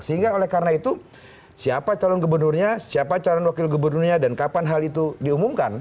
sehingga oleh karena itu siapa calon gubernurnya siapa calon wakil gubernurnya dan kapan hal itu diumumkan